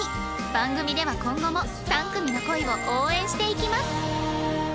番組では今後も３組の恋を応援していきます